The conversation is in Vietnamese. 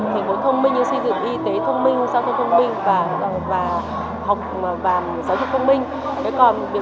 tp hà nội quyết tâm sẽ xây dựng chính quyền điện tử đồng bộ